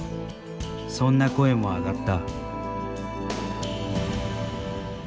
そんな声も上がった。